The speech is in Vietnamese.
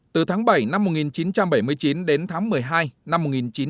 từ tháng bảy năm một nghìn chín trăm bảy mươi chín đến tháng một mươi hai năm một nghìn chín trăm bảy mươi